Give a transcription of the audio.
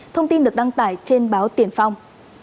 thông tin được đăng tải trên báo tiền phong